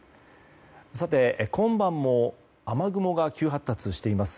今晩も雨雲が急発達しています。